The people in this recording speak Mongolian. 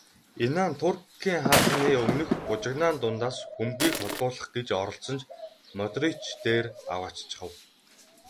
Инан Туркийн хаалганы өмнөх бужигнаан дундаас бөмбөгийг холдуулах гэж оролдсон ч Модрич дээр авааччихав.